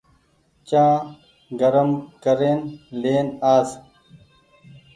چآن گرم ڪرين لين آس